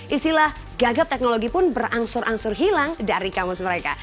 istilah gagap teknologi pun berangsur angsur hilang dari kamus mereka